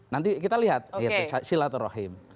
nanti kita lihat silaturahim